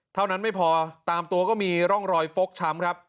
เท่านั้นไม่พอตามตัวก็มีร่องรอยฟกช้ำครับ